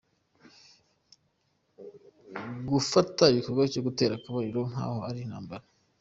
Gufata igikorwa cyo gutera akabariro nk’aho ari intambara.